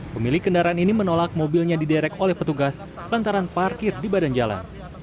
pemilik kendaraan ini menolak mobilnya diderek oleh petugas lantaran parkir di badan jalan